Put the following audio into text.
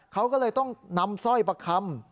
เขาก็เลยต้องนำสร้อยประคำ